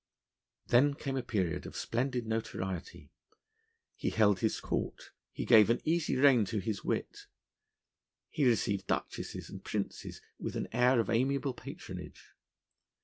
Then came a period of splendid notoriety: he held his court, he gave an easy rein to his wit, he received duchesses and princes with an air of amiable patronage.